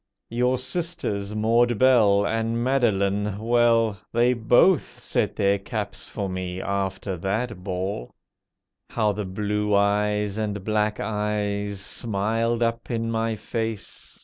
Your sisters, Maud Belle And Madeline—well, They both set their caps for me, after that ball. How the blue eyes and black eyes smiled up in my face!